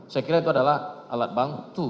saya kira itu adalah alat bantu